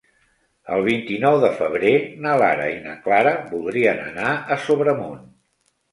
El vint-i-nou de febrer na Lara i na Clara voldrien anar a Sobremunt.